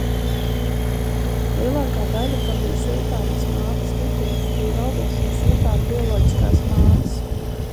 Lielākā daļa, kam bija Sultānes Mātes tituls, bija valdošo sultānu bioloģiskās mātes.